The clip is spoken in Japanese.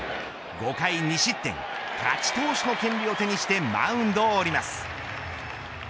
５回２失点、勝ち投手の権利を手にしてマウンドを降ります。